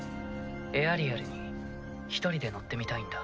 エアリアルに一人で乗ってみたいんだ。